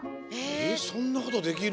えっそんなことできる？